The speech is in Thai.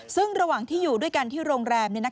ซึ่งระหว่างที่อยู่ด้วยกันที่โรงแรม